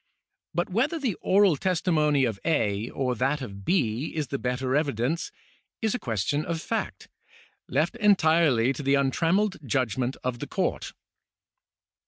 But whether the oral testimony of A. or that of B. is the better evidence, is a question of fact, left entirely to the untrammelled judgment of the court.